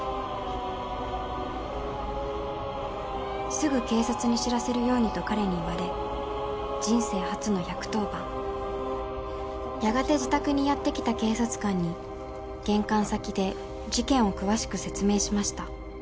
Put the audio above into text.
すぐ警察に知らせるようにと彼に言われ人生初の１１０番やがて自宅にやって来た警察官に玄関先で事件を詳しく説明しました